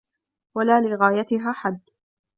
وَلَا لِغَايَتِهَا حَدٌّ